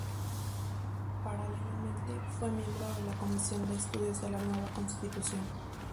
Paralelamente, fue miembro de la Comisión de Estudios de la Nueva Constitución.